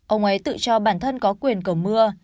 ông ấy tự cho bản thân có quyền cầu mưa